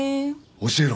教えろ。